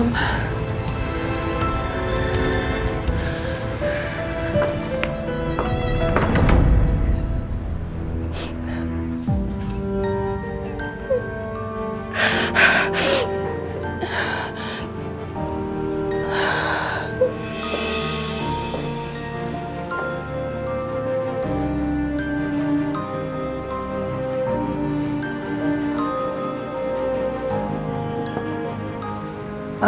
mama harus tau